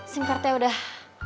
sim kartunya udah